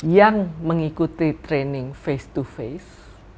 yang mengikuti training face to face